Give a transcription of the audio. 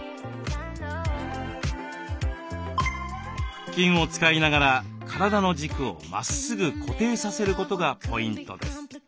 腹筋を使いながら体の軸をまっすぐ固定させることがポイントです。